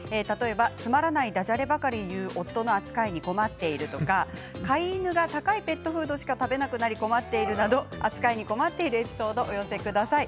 つまらないだじゃればかり言う夫の扱いに困っているとか飼い犬が高いペットフードしか食べなくなり困っているなど扱いに困っているエピソードをお寄せください。